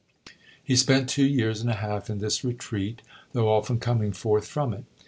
He spent two years and a half in this retreat, though often coming forth from it.